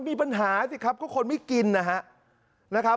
มีปัญหาสิครับก็คนไม่กินนะครับ